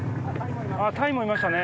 タイもいますね。